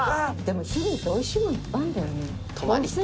氷見っておいしいものいっぱいあるんだよね。